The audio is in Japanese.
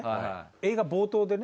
映画冒頭でね